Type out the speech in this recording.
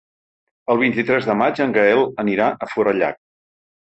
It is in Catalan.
El vint-i-tres de maig en Gaël anirà a Forallac.